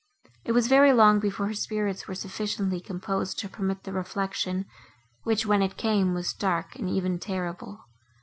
It was very long, before her spirits were sufficiently composed to permit the reflection, which, when it came, was dark and even terrible.